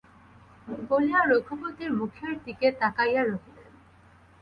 বলিয়া রঘুপতির মুখের দিকে তাকাইয়া রহিলেন।